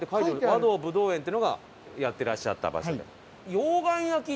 和銅ぶどう園っていうのがやってらっしゃった場所で。